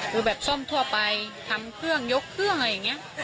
คือแบบซ่อมทั่วไปทำเครื่องยกเครื่องอะไรอย่างนี้